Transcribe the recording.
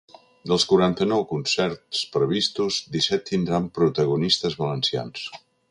Dels quaranta-nou concerts previstos, disset tindran protagonistes valencians.